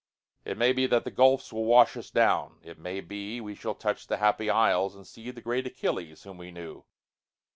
It may be that the gulfs will wash us down:It may be we shall touch the Happy Isles, And see the great Achilles, whom we knew.